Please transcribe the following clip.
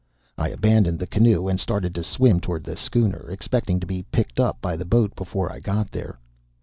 I abandoned the canoe and started to swim toward the schooner, expecting to be picked up by the boat before I got there.